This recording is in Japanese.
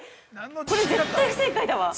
これ絶対不正解だわ。